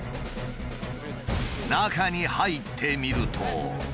中に入ってみると。